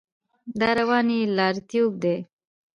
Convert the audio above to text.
دا رواني بې لارېتوب دی.